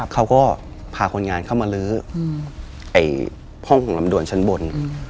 เขาก็พาคนงานเข้ามาลื้อห้องของลำด่วนชั้นบน